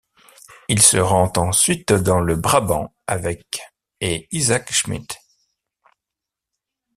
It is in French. Il se rend ensuite dans le Brabant avec et Izaak Schmidt.